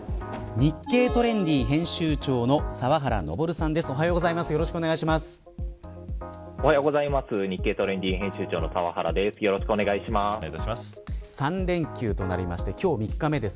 日経トレンディ編集長の澤原です。